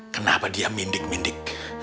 kenapa dia mindik mindik